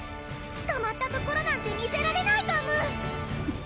つかまったところなんて見せられないパム！